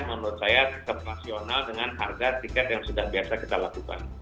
menurut saya tetap rasional dengan harga tiket yang sudah biasa kita lakukan